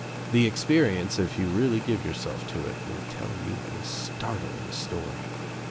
The experience, If you really give your self to it, will tell you a startling story.